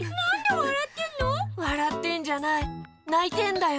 わらってんじゃないないてんだよ！